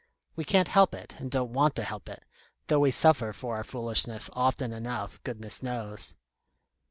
We can't help it and don't want to help it, though we suffer for our foolishness often enough, goodness knows."